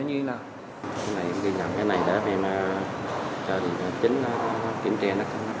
cái này em ghi nhầm cái này đó em cho thì kiến trẻ nó cầm lại nhạc